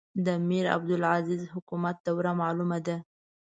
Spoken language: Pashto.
د میرعبدالعزیز حکومت دوره معلومه ده.